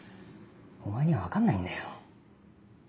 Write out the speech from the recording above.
お前には分かんないんだよ。